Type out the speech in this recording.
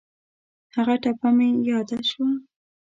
هغه ټپه مې یاد شوه.